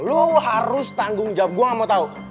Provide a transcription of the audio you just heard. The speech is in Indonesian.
lo harus tanggung jawab gue gak mau tahu